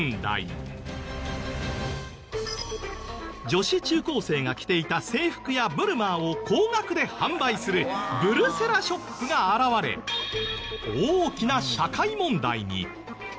女子中高生が着ていた制服やブルマーを高額で販売するブルセラショップが現れ大きな社会問題に。